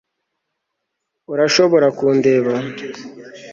urashobora kundeba